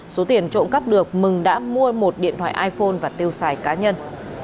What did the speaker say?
số tiền trộm cắp được mừng đã mua một điện thoại iphone và tiêu xài cá nhân